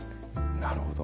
なるほど。